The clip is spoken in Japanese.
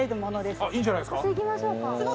買って行きましょうか。